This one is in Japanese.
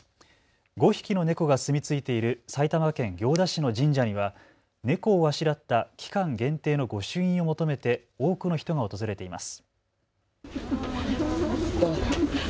５匹の猫が住み着いている埼玉県行田市の神社には猫をあしらった期間限定の御朱印を求めて多くの人が訪れています。